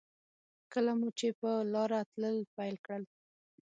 کله مو چې په لاره تلل پیل کړل.